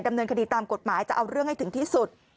ดำเนินคดีตามกฎหมายจะเอาเรื่องให้ถึงที่สุด